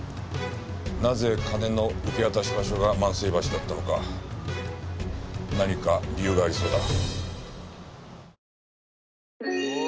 なぜ金の受け渡し場所が万世橋だったのか何か理由がありそうだ。